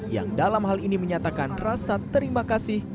yang dalam hal ini menyatakan rasa terima kasih